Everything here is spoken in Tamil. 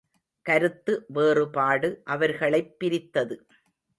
கருத்து வேறுபாடு அவர்களைப் பிரித்தது.